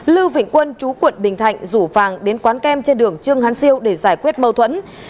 lưu vĩnh quân chú quận bình thạnh rủ vàng đến quán kem trên đường trương hán siêu để giải quyết mâu thuẫn